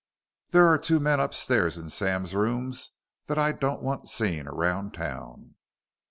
"There are two men upstairs in Sam's rooms that I don't want seen around town.